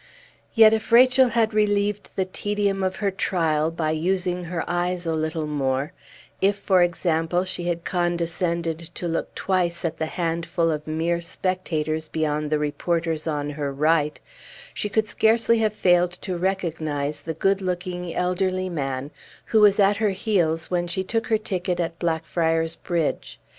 Yet if Rachel had relieved the tedium of her trial by using her eyes a little more; if, for example, she had condescended to look twice at the handful of mere spectators beyond the reporters on her right, she could scarcely have failed to recognize the good looking, elderly man who was at her heels when she took her ticket at Blackfriars Bridge.